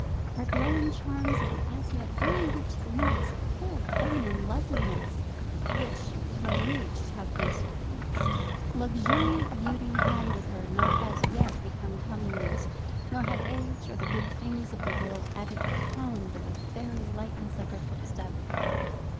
Her growing charms had as yet hardly reached the limits of full feminine loveliness, which, when reached, have been surpassed. Luxuriant beauty had with her not as yet become comeliness; nor had age or the good things of the world added a pound to the fairy lightness of her footstep.